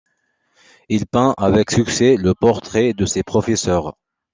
Il peint avec succès le portrait de ses professeurs.